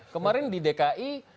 kemarin di dki